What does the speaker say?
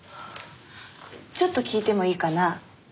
ちょっと聞いてもいいかな？